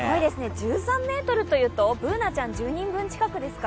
１３ｍというとＢｏｏｎａちゃん１０人分近くですか？